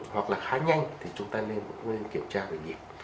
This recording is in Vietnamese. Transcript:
hoặc là khá nhanh thì chúng ta nên kiểm tra về nhịp